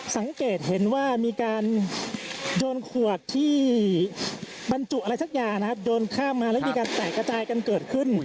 สังเกตเห็นว่ามีการโยนขวดที่บรรจุอะไรสักอย่างนะครับโยนข้ามมาแล้วมีการแตกกระจายกันเกิดขึ้น